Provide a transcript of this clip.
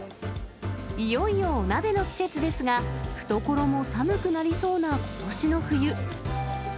いよいよお鍋の季節ですが、懐も寒くなりそうなことしの冬。